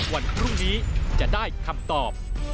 วันพรุ่งนี้จะได้คำตอบ